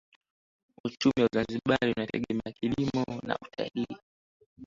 Uchumi wa Zanzibar unategemea kilimo na utalii